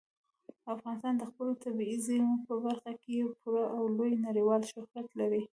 افغانستان د خپلو طبیعي زیرمو په برخه کې پوره او لوی نړیوال شهرت لري.